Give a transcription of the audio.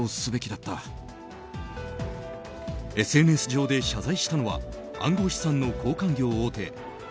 ＳＮＳ上で謝罪したのは暗号資産の交換業大手